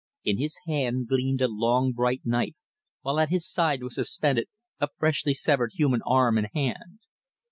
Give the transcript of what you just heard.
In his hand gleamed a long bright knife, while at his side was suspended a freshly severed human arm and hand.